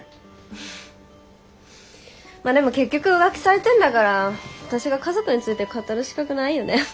まあでも結局浮気されてんだから私が家族について語る資格ないよね。